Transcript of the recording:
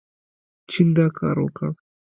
چین دا کار وکړ.